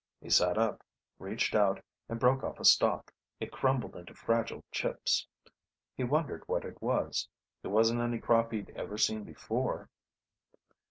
He sat up, reached out and broke off a stalk. It crumbled into fragile chips. He wondered what it was. It wasn't any crop he'd ever seen before.